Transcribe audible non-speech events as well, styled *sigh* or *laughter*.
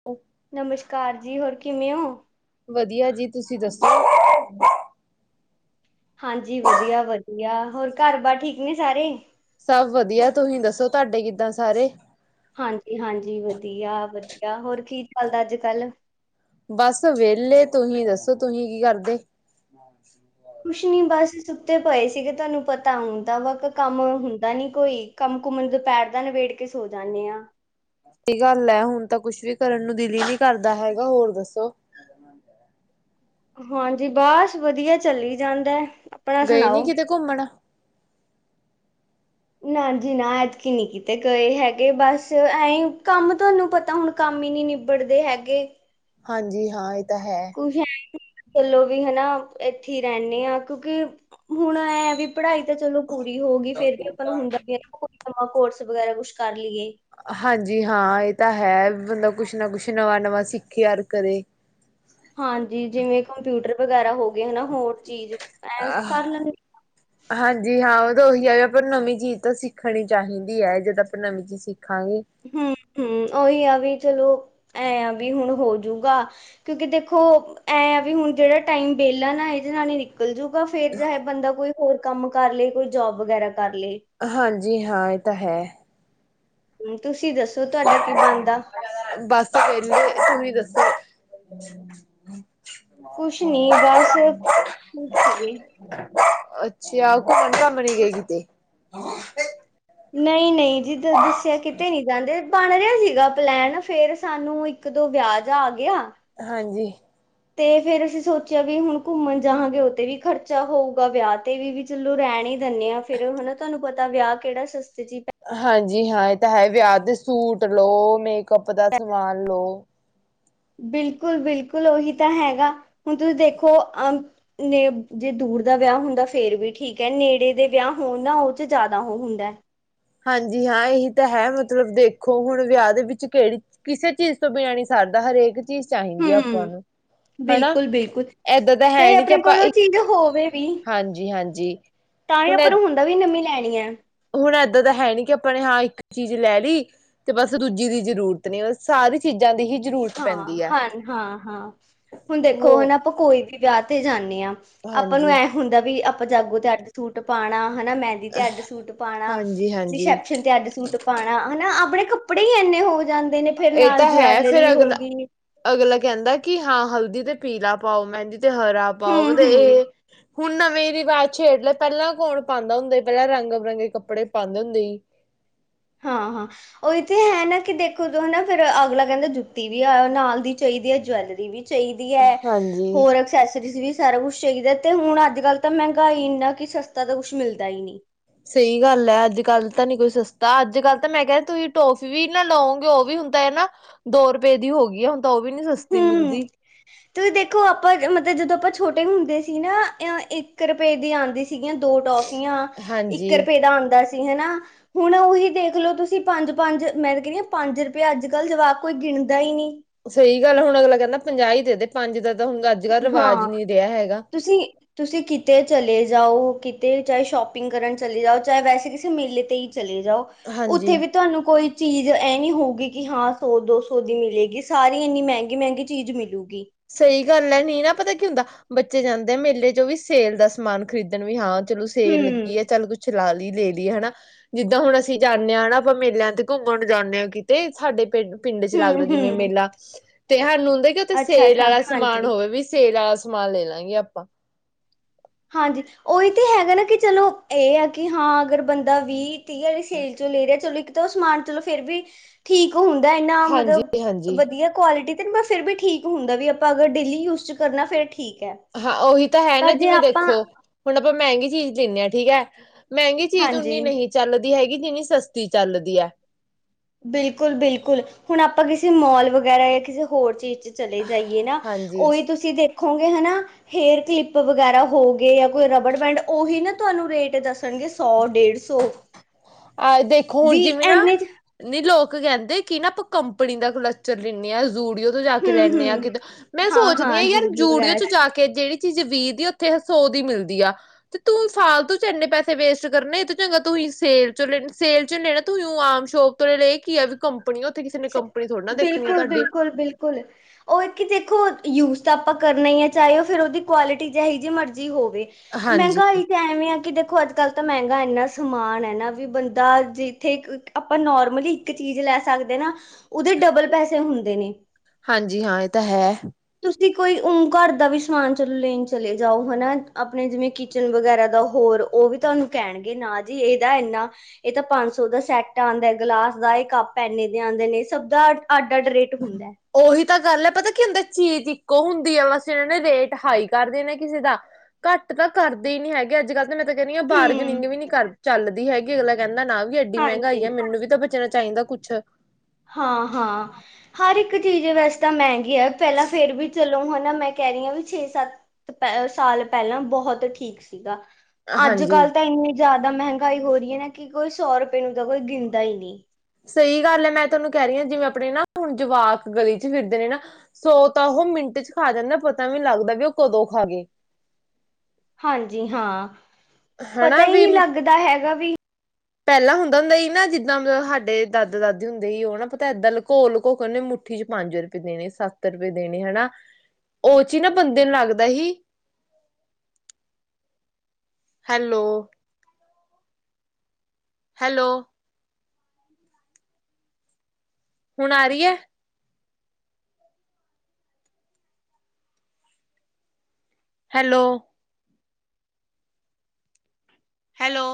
*unintelligible* ਨਮਸ਼ਕਾਰ ਜੀ, ਹੋਰ ਕਿਵੇਂ ਹੋ? ਵਧੀਆ ਜੀ, ਤੁਸੀਂ ਦੱਸੋ। ਹਾਂਜੀ, ਵਧੀਆ-ਵਧੀਆ, ਹੋਰ ਘਾਰ ਬਾਰ ਠੀਕ ਨੇ ਸਾਰੇ? ਸਾਭ ਵਧੀਆ, ਤੁਹੀਂ ਦੱਸੋ ਤਾਡੇ ਕਿੱਦਾਂ ਸਾਰੇ? ਹਾਂਜੀ-ਹਾਂਜੀ, ਵਧੀਆ-ਵਧੀਆ, ਹੋਰ ਕੀ ਚੱਲਦਾ ਅੱਜ-ਕੱਲ੍ਹ? ਬਾਸ ਵੇਲੇ, ਤੁਹੀਂ ਦੱਸੋ ਤੁਹੀਂ ਕੀ ਕਰਦੇ? *unintelligible* ਕੁਛ ਨੀ ਬਸ ਸੁੱਤੇ ਪਏ ਸੀਗੇ, ਤਾਨੂੰ ਪਤਾ ਹੁਣ ਤਾਂ ਕੰਮ ਹੁੰਦਾ, ਨੀ ਕੋਈ। ਕੰਮ-ਕੁੱਮ ਦਪੈਰ ਦਾ ਨਿਬੇੜ ਕੇ, ਸੋ ਜਾਂਨੇ ਆਂ। ਗੱਲ ਐ, ਹੁਣ ਤਾਂ ਕੁੱਛ ਵੀ ਕਰਨ ਨੂੰ ਦਿਲ ਈ ਨੀ ਕਰਦਾ ਹੈਗਾ। ਹੋਰ ਦੱਸੋ। ਹਾਂਜੀ, ਬਸ ਵਧੀਆ ਚੱਲੀ ਜਾਂਦੈ। ਗਏ ਨੀ, ਕਿਤੇ ਕੁੱਮਣ।? ਨਾ ਜੀ ਨਾ, ਐਤਕੀ ਨੀ ਕਿਤੇ ਗਏ ਹੈਗੇ, ਬਸ ਐਂਈ ਕੰਮ ਤਾਨੂੰ ਪਤੈ ਹੁਣ ਕੰਮ ਈ ਨੀ, ਨਿਬੜਦੇ ਹੈਗੇ। ਹਾਂਜੀ, ਹਾਂ ਐ ਤਾਂ ਹੈ। ਕੁਛ ਹੈ ਨੀ। ਚੱਲੋ ਵੀ ਹਨਾ, ਏੱਥੇ ਹੀ ਰੈਨੇਂ ਆਂ, ਕਿਉਂਕਿ ਹੁਣ ਐ ਵੀ ਪੜ੍ਹਾਈ ਤੇ ਚਲੋ ਪੂਰੀ ਹੋ ਗੀ, ਫੇਰ ਵੀ ਆਪਾਂ ਨੂੰ ਹੁੰਦਾ ਵੀ ਨਾ, ਕੋਈ ਨਵਾਂ ਕੋਰਸ ਵਗੈਰਾ ਕੁਛ ਕਰ ਲੀਏ। ਹਾਂਜੀ, ਹਾਂ ਏ ਤਾਂ ਹੈ, ਬੰਦਾ ਕੁਛ ਨਾ ਕੁਛ ਨਵਾਂ-ਨਵਾਂ ਸਿੱਖੇ ਔਰ ਕਰੇ। ਹਾਂਜੀ, ਜਿਵੇਂ ਕੰਪਯੁਟਰ ਵਗੈਰਾ ਹੋ ਗਏ ਹਨਾ। ਹੋਰ ਚੀਜ ਐਂਚ ਕਾਰ ਲਾਂਗੇ। ਹਾਂਜੀ, ਹਾਂ ਔ ਤਾਂ ਔਹੀ ਹੈ ਵੀ ਆਪਾਂ ਨਵੀਂ ਚੀਜ ਤਾਂ ਸਿੱਖਣੀ ਚਾਹੀਦੀ ਐ। ਜਦ ਅਪਾਂ ਨਵੀਂ ਚੀਜ਼ ਸਿੱਖਾਂਗੇ ਹੂੰ-ਹੂੰ ਔਹੀ ਆ ਵੀ ਚਲੋ, ਐਂ ਵੀ ਹੁਣ ਹੋਜੂਗਾ ਕਿਉਂਕਿ ਦੇਖੋ, ਐਂ ਵੀ ਹੁਣ ਜੜਾ ਟਾਈਮ ਬੇਲਾ ਨਾ, ਏਦੇ ਨਾਲ ਈ ਨਿਕਲ ਜੂ। ਫੇਰ ਚਾਹੇ ਬੰਦਾ ਕੋਈ ਹੋਰ ਕੰਮ ਕਰ ਲੇ, ਕੋਈ ਜੋਬ ਵਗੈਰਾ ਕਰ ਲੇ। ਹਾਂਜੀ ਹਾਂ, ਐ ਤਾਂ ਹੈ। ਤੁਸੀਂ ਦੱਸੋ, ਤਾਡਾ ਕੀ ਬਣਦਾ? ਬਸ ਵੇਲੇ, ਤੂੰਹੀ ਦੱਸੋ। ਕੁਛ ਨੀ ਬਸ, *unintelligible* ਸੀਗੇ। ਅੱਛਾ, ਕੁੱਮਣ-ਕਾੱਮਣ ਨੀ ਗੇ, ਕਿਤੇ। ਨਈ-ਨਈ, ਜੀਦਾਂ ਦੱਸੇਆ, ਕਿਤੇ ਨੀ ਜਾਂਦੇ। ਬਣ ਰਿਆ ਸੀਗਾ ਪਲੈਨ, ਫੇਰ ਸਾਨੂੰ ਇੱਕ-ਦੋ ਵੇਆ ਜਾ ਆ ਗੇਆ। ਹਾਂਜੀ। ਤੇ ਫੇਰ, ਅਸੀਂ ਸੋਚਿਆ ਵੀ ਹੁਣ ਕੁੱਮਣ ਜਾਹਾਂਗੇ, ਔਤੇ ਵੀ ਖਰਚਾ ਹੋਊਗਾ, ਵੇਆ ਤੇ ਵੀ ਚਲੋਂ ਰੈਣ ਈ ਦਿੰਨੇ ਹਾਂ ਫੇਰ ਹਨਾ ਤੋਨੂੰ ਪਤਾ ਵੇਆ ਕੇੜਾ ਸਸਤੇ ਚ ਹਾਂਜੀ ਹਾਂ, ਏ ਤਾਂ ਹੈ ਵਿਆਹ ਦੇ ਸੂਟ ਲੋ, ਮੇਕਅੱਪ ਦਾ ਸਮਾਨ ਲੋ। ਬਿਲਕੁਲ-ਬਿਲਕੁਲ, ੳਹੀ ਤਾਂ ਹੈਗਾ, ਹੁਣ ਤੁਸੀਂ ਦੇਖੋ ਅ ਨੇ ਜੇ ਦੂਰ ਦਾ ਵਿਆਹ ਹੁੰਦਾ ਫੇਰ ਵੀ ਠੀਕ ਐ, ਨੇੜੇ ਦੇ ਵਿਆਹ ਹੋਣ ਨਾ ੳਹ ਚ ਜਾਦਾ ਔ ਹੁੰਦਾ। ਹਾਂਜੀ ਹਾਂ, ਏਹੀ ਤਾਂ ਹੈ, ਮਤਲਬ ਦੇਖੋ ਹੁਣ ਵਿਆਹ ਦੇ ਵਿੱਚ ਕੇੜੀ ਕਿਸੇ ਚੀਜ ਤੋ ਬਿਨਾ ਨੀ ਸਰਦਾ, ਹਰੇਕ ਚੀਜ਼ ਚਾਹੀਦੀ ਹੈ ਆਪਾਂ ਹੂੰ ਨੂੰ। ਹਨਾ। ਬਿਲਕੁਲ-ਬਿਲਕੁਲ, ਏਦਾਂ ਤਾਂ ਹੈ ਚਾਏ ਨੀ ਕਿ ਅਪਣੇ ਆਪਾਂ ਕੋਲ ੳ ਇੱਕ ਚੀਜ਼ ਹੋਵੇ ਵੀ ਹਾਂਜੀ ਹਾਂਜੀ ਤਾਂਈ ਆਪਾਂ ਨੂੰ ਹੁੰਦਾ ਵੀ ਨਵੀ ਲੈਨੀ ਐ। ਹੁਨ ਏਦਾਂ ਤਾਂ ਹੈ ਨੀ ਕਿ ਆਪਾਂ ਨੇ ਹਾਂ ਇੱਕ ਚੀਜ ਲੈ ਲੀ ਤੇ ਬਸ ਦੂਜੀ ਦੀ ਜਰੂਰਤ ਨੀ, ਸਾਰੀ ਚੀਜਾ ਦੀ ਹੀ ਜ਼ਰੂਰਤ ਹਾਂ- ਪੈਂਦੀ ਹੈ। ਹ- ਹਾਂ- ਹਾਂ, ਹੁਣ ਦੇਖੋ ਹੋ ਹੁਣ ਆਪਾਂ ਕੋਈ ਵੀ ਵਿਆਹ ਤੇ ਜਾਂਨੇ ਆ ਆਪਾਂ ਨੂੰ ਹਾਂਜੀ ਐ ਹੁੰਦਾ ਵੀ ਆਪਾਂ ਜਾਗੋ ਤੇ ਅੱਡ ਸੂਟ ਪਾਨਾ ਹੈਨਾ ਮੈਂ ਤੇ ਅੱਡ ਸੂਟ ਪਾਣਾ, ਹਾਂਜੀ ਹਾਂਜੀ ਰਿਸੈ਼ਪਸ਼ਨ ਤੇ ਅੱਡ ਸੂਟ ਪਾਨਾ ਹੈਨਾ, ਅਪਨੇ ਕੱਪੜੇ ਈ ਏਨੇ ਹੋ ਜਾਂਦੇ ਨੇ ਫੇਰ ਨਾਲ ਜੁਵੈਲਰੀ ਫੇਰ ਅਗਲਾ, ਅਗਲਾ ਕਹੰਦਾ ਕਿ ਹਾਂ ਹਲਦੀ ਤੇ ਪੀਲਾ ਪਾਓ, ਮੈਂਦੀ ਤੇ ਹਰਾ ਹੂੰ-ਹੂੰ, ਪਾੳਂਦੇ ਹੁਣ ਨਵੇਂ ਰਿਵਾਜ ਛੇਡ ਲੇ, ਪਹਲਾਂ ਕੌਣ ਪਾਂਦਾ ਹੁੰਦਾ ਸੀ, ਪਹਲਾਂ ਰੰਗ- ਬਿਰੰਗੇ ਈ ਕੱਪੜੇ ਪਾਂਦੇ ਹੁੰਦੇ ਸੀ। ਹਾਂ ਹਾਂ। ਉਹ ਏਥੇ ਹੈ ਨਾ ਕਿ ਦੇਖੋ ਜੋ ਨਾ ਫੇਰ ਅਗਲਾ ਕਹੰਦਾ, ਜੁੱਤੀ ਵੀ ਆ ਨਾਲ ਦੀ ਚਈਦੀ ਏ ਜਵੈਲਰੀ ਵੀ। ਚਈਦੀ ਹੈ, ਹਾਂਜੀ ਹੋਰ ਐਸੈਸਸਿਰੀਜ ਸਾਰਾ ਕੁਛ ਚਾਹੀਦਾ ਤੇ ਹੁਣ ਅੱਜ ਕਲ ਤਾਂ ਮਹੰਗਾਈ ਇੰਨਾ ਕਿ ਸਸਤਾ ਤਾਂ ਕੁਛ ਮਿਲਦਾ ਹੀ ਨਈ। ਸਹੀ ਗੱਲ ਏ। ਅੱਜ ਕਲ ਤਾਂ ਨੀ ਕੋਈ ਸਸਤਾ ਅੱਜ ਕਲ ਤਾਂ ਮੈਂ ਕੇਆ ਕਿ ਤੁਸੀ ਟੋਫੀ ਵੀ ਨਾ ਲਂੳਗੇ ੳ ਵੀ ਹੁੰ ਤੇ ਨਾ ਦੋ ਰੁਪਏ ਦੀ ਹੋ ਗਈ ਏ ਹੁਣ ਤਾਂ ੳਵੀ ਨੀ ਸਸਤੀ ਮਿਲਦੀ। ਤੁਸੀ ਦੇਖੋ ਆਪਾਂ ਮਤਲਬ ਜਦੋਂ ਆਪਾਂ ਛੋਟੇ ਹੁੰਦੇ ਸੀ ਨਾ, ਅਂ ਇੱਕ ਰੁਪਏ ਦੀ ਆਂਦੀ ਸੀ। ਸੀਗੀਆਂ ਦੋ ਟੋਫੀਆਂ, ਇੱਕ ਹਾਂਜੀ ਰੁਪਏ ਦਾ ਆਂਦਾ ਸੀ ਹੈਨਾ। ਹੁਣ ੳਹੀ ਦੇਖ ਲੋ ਤੁਸੀ ਪੰਜ-ਪੰਜ, ਮੈਂ ਤਾਂ ਕਹੰਨੀ ਆ, ਪੰਜ ਰੁਪਏ ਅੱਜ-ਕਲ ਜਵਾਕ ਕੋਈ ਗਿਨਦਾ ਈ ਨੀ। ਸਹੀ ਗੱਲ ਹੁਣ ਅਗਲਾ ਕਹੰਦਾ ਪੰਜਾਹ ਈ ਦੇ ਦੇ, ਪੰਜ ਦਾ ਤਾਂ ਹੁਣ ਅੱਜ-ਕਲ ਰਿਵਾਜ ਹੀ ਨੀ ਰੈਆ ਹੈਗਾ। ਤੁਸੀ ਤੁਸੀ ਕਿਤੇ ਚਲੇ ਜਾਓ, ਕਿਤੇ ਚਾਏ ਸ਼ੋਪਿੰਗ ਕਰਨ ਚਲੇ ਜਾਓ, ਚਾਏ ਵੈਸੇ ਕਿਸੇ ਮੇਲੇ ਤੇ ਹੀ ਚਲੇ ਜਾਓ ਉੱਥੇ ਹਾਂਜੀ। ਵੀ ਤੁਹਾਨੂੰ ਕੋਈ ਚੀਜ ਏ ਨੀ ਹੋਊਗੀ ਕਿ ਹਾਂ ਸੌ, ਦੋ ਸੌ, ਦੀ ਮਿਲੇਗੀ। ਸਾਰੀ ਏਨੀ ਮਹੰਗੀ-ਮਹੰਗੀ ਚੀਜ ਮਿਲੁਗੀ। ਸਹੀ ਗੱਲ ਏ, ਨੀ ਨਾ ਪਤਾ ਕਿ ਹੁੰਦਾ ਬੱਚੇ ਜਾਂਦੇ ਮੇਲੇ ਚ ਉਹ ਵੀ ਸੇਲ ਦਾ ਸਮਾਨ ਖਰੀਦਨ ਵੀ ਹਾਂ ਚਲੋ ਸੇਲ ਹਮ ਲੱਗੀ ਆ ਚੱਲ ਕੁਛ ਚਲਾ ਲੀ, ਲੇ ਲੀ ਹੈਨਾ। ਜਿੱਦਾਂ ਹੁਣ ਅਸੀ ਜਾਂਨੇ ਆਂ ਨਾ ਆਪਾਂ ਮੇਲਿਆਂ ਤੇ ਘੁੰਮਨ ਜਾਂਨੇ ਕਿਤੇ, ਸਾਡੇ ਪਿੰਡ ਪਿੰਡ ਚ ਹਮ ਲੱਗਦਾ ਜਿਵੇਂ ਹਮ ਮੇਲਾ ਤੇ ਹਾਨੂੰ ਹੁੰਦਾ ਕਿ ਉੱਥੇ ਅੱਛਾ ਸੇਲ ਅੱਛਾ ਆਲਾ ਹਾਂਜੀ ਸਮਾਨ ਹੋਵੇ ਵੀ ਸੇਲ ਆਲਾ ਸਮਾਨ ਲੈ ਲਾਂ ਗੇ ਆਪਾਂ। ਹਾਂਜੀ, ੳਹੀ ਤੇ ਹੈਗਾ ਨਾ ਕਿ ਚਲੋ ਏ ਆ ਕਿ ਹਾਂ ਅਗਰ ਬੰਦਾ ਵੀ ਤੇ ਏ ਵੀ ਸੇਲ ਚੋਂ ਲੈ ਰਏ, ਚਲੋ ਇੱਕ-ਦੋ ਸਮਾਨ ਚਲੋ ਫੇਰ ਵੀ ਠੀਕ ਹੁੰਦਾ, ਏਨਾ ਹਾਂਜੀ ਮਤਲਬ ਹਾਂਜੀ ਵਧਿਆ ਕੁਆਲਿਟੀ ਤੇ ਬ ਫੇਰ ਵੀ ਠੀਕ ਹੁੰਦਾ ਵੀ ਆਪਾਂ ਅਗਰ ਡੇਲੀ ਯੂਜ ਚ ਕਰਨਾ ਫੇਰ ਠੀਕ ਐ। ਹਾਂ ਉਹੀ ਤਾਂ ਹੈ ਨਾ ਜਿਵੇਂ ਦੇਖੋ ਹੁਣ ਆਪਾਂ ਮਹੰਗੀ ਚੀਜ਼ ਲੇਨੇ ਆਂ, ਠੀਕ ਏ ਮਹੰਗੀ ਚੀਜ਼ ਉਨੀ ਹਾਂਜੀ ਨਹੀ ਚੱਲਦੀ ਹੈਗੀ, ਜਿੰਨੀ ਸਸਤੀ ਚੱਲਦੀ ਐ। ਬਿਲਕੁਲ-ਬਿਲਕੁਲ, ਹੁਨ ਆਪਾਂ ਕਿਸੇ ਮੋਲ ਵਗੈਰਾ ਜਾਂ ਕਿਸੇ ਹੋਰ ਚੀਜ ਚ ਚਲੇ ਜਾਈਏ ਨਾ, ਹਾਂਜੀ ੳਹੀ ਤੁਸੀ ਦੇਖ ਖੋਗੇ ਹੈਨਾ ਹੇਅਰ ਕਲਿੱਪ ਵਗੈਰਾ ਹੋ ਗਏ ਜਾਂ ਕੋਈ ਰਬੜ ਬੈਂਡ ੳਹੀ ਨਾ ਤੁਹਾਨੂੰ ਰੇਟ ਦੱਸ ਸਨਗੇ ਸੌ, ਡੇਢ ਸੌ। ਆਹ ਦੇਖੋ ਹੁਣ ਵੀ ਜਿਵੇਂ ਨਾ ਇੰਨੇ ਚ ਨੀ ਲੋਕ ਕਹਿੰਦੇ ਕਿ ਨਾ ਕੰਪਨੀ ਦਾ ਕੁਲੱਚਰ ਲੇਨੇ ਆਂ ਜ਼ੂਡੀ ਤੋਂ ਜਾ ਕੇ ਲੈਣੇ ਆਂ ਕਿਦੋਂ, ਮੈਂ ਸੋਚਦੀ ਹਾਂ ਯਾਰ ਜੂਡੀਓ ਵਗੈਰਾ ਚ ਜਾ ਕੇ ਕੇ ਜਿਹੜੀ ਚੀਜ਼ ਵੀਹ ਦੀ ਉੱਥੇ ਹ ਸੋ ਦੀ ਮਿਲਦੀ ਆ। ਤੇ ਤੂੰ ਫਾਲਤੂ ਚ ਇੰਨੇ ਪੈਸੇ ਵੇਸਟ ਕਰਨੇ ਤੇ ਇਹ ਤੋਂ ਚੰਗਾ ਤੂਹੀ ਸੇਲ ਚਲੋ ਸੇਲ ਚ ਲੈਣਾ ਤੂੰ ਉਹ ਆਮ ਸ਼ੋਪ ਤੋਂ ਲੇ ਏ ਕੀ ਆ। ਕੰਪਨੀ ਉੱਥੇ ਕਿਸੇ ਨੇ ਕੰਪਨੀ ਥੋੜ ਨਾ ਦੇਖਣੀ ਆ ਤੁਹਾਡੀ। ਕੁੁੱਲ ਉਹ ਇੱਕ ਕਿ ਦੇਖੋ ਯੂਜ਼ ਤਾਂ ਆਪਾਂ ਕਰਨਾ ਹੀ ਹੈ ਚਾਹੇ ਉਹ ਫਿਰ ਉਹਦੀ ਕੁਆਲਿਟੀ ਜਿਹੀ ਜੀ ਮਰਜ਼ੀ ਹੋਵੇ। ਹਾਂਜੀ ਮਹਿੰਗਾਈ ਐਵੇਂ ਆ ਕਿ ਦੇਖੋ ਅੱਜ ਕੱਲ ਤਾਂ ਮਹਿੰਗਾ ਇੰਨਾ ਸਮਾਨ ਹੈ ਨਾ ਵੀ ਬੰਦਾ ਜਿੱਥੇ। ਆਪਾਂ ਨੋਰਮਲੀ ਇੱਕ ਚੀਜ਼ ਲੈ ਸਕਦੇ ਨਾ ਉਹਦੇ ਡਬਲ ਪੈਸੇ ਹੁੰਦੇ ਨੇ। ਹਾਂਜੀ ਹਾਂ ਇਹ ਤਾਂ ਹੈ। ਤੁਸੀਂ ਕੋਈ ਉਂ ਘਰ ਦਾ ਵੀ ਸਮਾਨ ਚਲੋ ਲੇਣ ਚਲੇ ਜਾਓ ਹਨਾ ਆਪਣੇ ਜਿਵੇਂ ਕਿ। ਕਿਚਨ ਵਗੈਰਾ ਦਾ ਹੋਰ ਉਹ ਵੀ ਤੁਹਾਨੂੰ ਕਹਿਣਗੇ ਨਾ ਜੀ ਇਹਦਾ ਇੰਨਾ। ਇਹ ਤਾਂ ਪੰਜ ਸੌ ਦਾ ਸੈੱਟ ਆਂਦੈ ਗਲਾਸ ਦਾ ਇਹ ਕਪ ਏਨੇ ਦੇ ਆਂਦੇ ਨੇ ਸਭ ਦਾ ਅੱਡ ਅੱਡ ਰੇਟ ਹੁੰਦੈ। ਉਹੀ ਤਾਂ ਗੱਲ ਐ ਪਤਾ ਕੀ ਹੁੰਦੈ ਚੀਜ਼ ਇੱਕੋ ਹੁੰਦੀ ਹੈ ਬਸ ਇਹਨਾਂ ਨੇ ਰੇਟ ਹਾਈ ਕਰ ਦੇਣਾ ਕਿਸੇ ਦਾ। ਘੱਟ ਤਾਂ ਕਰਦੇ ਈ ਨੀ ਹੈਗੇ ਅੱਜ ਕੱਲ੍ਹ। ਤੇ ਮੈਂ ਤਾਂ ਕਹਿ ਰਹੀ ਹਾਂ ਹੂੰ ਬਾਰਗਨਿੰਗ ਨੀ ਕਰ ਚੱਲਦੀ ਹੈਗੀ ਅਗਲਾ ਕਹਿੰਦਾ ਨਾ ਵੀ ਐਡੀ ਹਾਂਜੀ ਮਹਿੰਗਾਈ ਹੈ ਮੈਨੂੰ ਵੀ ਤਾਂ ਬੱਚੇ। ਬਚਣਾ ਚਾਹੀਦਾ ਕੁਛ। ਹਾਂ। ਹਾਂ। ਹਰ ਇੱਕ ਚੀਜ਼ ਵੈਸ ਤਾਂ ਮਹਿੰਗੀ ਐ ਪਹਿਲਾਂ ਫੇਰ ਵੀ ਚਲੋ। ਹਨਾ ਮੈਂ ਕਹਿ ਰਹੀ ਆਂ ਵੀ ਛੇ ਸੱਤ ਸਾਲ ਪਹਿਲਾਂ ਬਹੁਤ ਠੀਕ ਸੀਗਾ। ਅੱਜ ਹਾਂਜੀ ਕੱਲ ਤਾਂ ਇੰਨੀ ਜ਼ਿਆਦਾ ਮਹਿੰਗਾਈ ਹੋ ਰਹੀ ਐਂ ਨਾ ਕਿ ਕੋਈ ਸੌ ਰੁਪਏ ਨੂੰ ਤਾਂ ਕੋਈ ਗਿਣਦਾ ਹੀ ਨੀ। ਸਹੀ ਗੱਲ ਐ ਮੈਂ ਤੁਹਾਨੂੰ ਕਹਿ ਰਹੀ ਆਂ ਜਿਵੇਂ ਆਪਣੇ ਨਾ ਹੁਣ ਜਵਾਕ ਗਲੀ ਚ ਫਿਰਦੇ ਨੇ ਨਾ। ਸੋ ਤਾਂ ਉਹ ਮਿੰਟ ਚ ਖਾ ਜਾਂਦਾ ਪਤਾ ਵੀ ਨੀ ਲੱਗਦਾ ਵੀ ਉਹ ਕਦੋਂ ਖ਼ਾ ਗਏ। ਹਾਂਜੀ ਹਾਂ। ਪਤਾ ਹਨਾ ਹੀ ਵੀ। ਨਹੀਂ ਲੱਗਦਾ ਹੈਗਾ ਵੀ ਪੈਲਾਂ ਹੁੰਦਾ-ਹੁੰਦਾ ਸੀ ਨਾ ਜਿੱਦਾਂ ਮਲਬ ਹਾਡੇ ਦਾਦਾ ਦਾਦੀ ਹੁੰਦੇ ਹੀ ਓ ਨਾ ਪਤਾ ਇੱਦਾਂ ਲਕੋ-ਲਕੋ ਕੇ ਨਾ ਮੁੱਠੀ ਚ ਪੰਜ ਰੁਪਏ ਦੇਣੇ, ਸੱਤ ਰੁਪਏ ਦੇਣੇ ਹਨਾ ਉਹ ਚੀ ਨਾ ਬੰਦੇ ਨੂੰ ਲੱਗਦਾ ਹੀ ਹੈਲੋ। ਹੈਲੋ। ਹੁਣ ਆ ਰੀ ਐ। ਹੈਲੋ। ਹੈਲੋ।